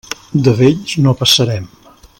De vells no passarem.